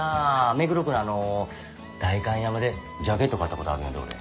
目黒区のあの代官山でジャケット買った事あるんやで俺。